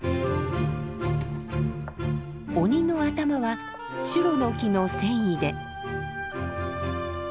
鬼の頭はシュロの木の繊維で。